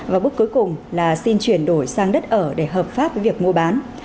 và bước cuối cùng là xin chuyển đổi sang đất ở để hợp pháp với việc mua bán